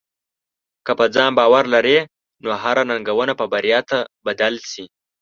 که په ځان باور لرې، نو هره ننګونه به بریا ته بدل شي.